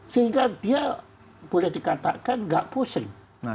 sehingga dia boleh dikatakan nggak pusing